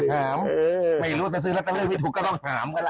ซื้อแล้วก็เลือกไม่ถูกก็ต้องถามกันล่ะ